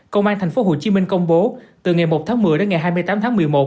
công an tp hcm công bố từ ngày một tháng một mươi đến ngày hai mươi tám tháng một mươi một